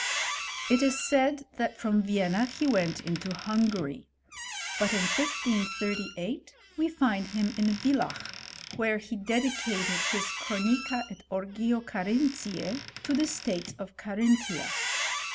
It is said, that from Vienna he went into Hungary ; but in 1538, we find him in Villach, where he dedi cated his Chronica et Origo Carinthise to the states of Carinthia.